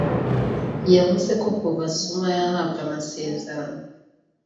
yavuze ko kuva Summa yahabwa amasezerano